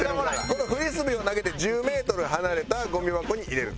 このフリスビーを投げて１０メートル離れたゴミ箱に入れると。